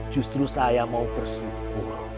justru saya mau bersyukur